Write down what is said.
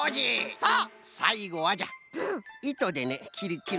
さあさいごはじゃいとでねきるんじゃ！